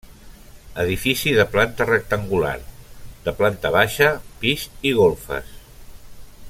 Edifici de planta rectangular, de planta baixa, pis i golfes.